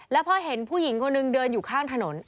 แล้วพอเห็นผู้หญิงคนหนึ่งเดินอยู่ข้างถนน